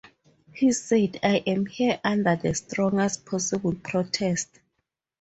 He said: I am here under the strongest possible protest.